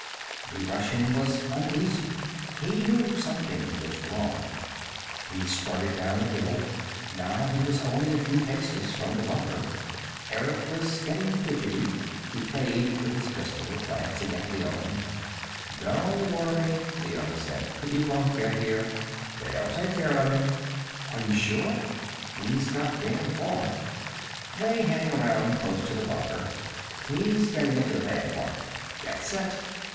The Russian was uneasy. He knew something was wrong. He started down the hill. Now he was only a few paces from the bunker. Eric was getting fidgety. He played with his pistol, glancing at Leone. "Don't worry," Leone said. "He won't get here. They'll take care of him." "Are you sure? He's got damn far." "They hang around close to the bunker. He's getting into the bad part. Get set!"